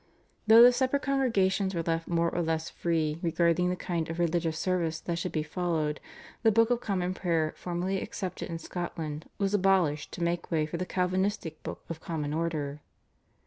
Though the separate congregations were left more or less free regarding the kind of religious service that should be followed, the Book of Common Prayer formerly accepted in Scotland was abolished to make way for the Calvinistic Book of Common Order.